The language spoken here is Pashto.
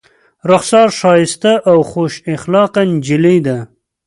رخسار ښایسته او خوش اخلاقه نجلۍ ده.